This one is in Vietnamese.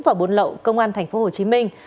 và buôn lậu công an thành phố hồ chí minh